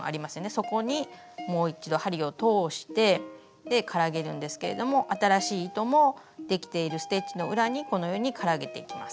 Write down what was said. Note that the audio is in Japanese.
そこにもう一度針を通してからげるんですけれども新しい糸もできているステッチの裏にこのようにからげていきます。